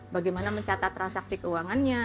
bagaimana mencatat transaksi keuangannya